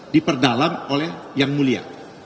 diperdalam oleh yang mulia